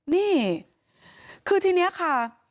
นี่คือทีนี้ค่ะ